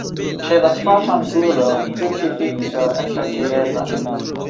Ĉe la stratangulo krucifikso estas videbla.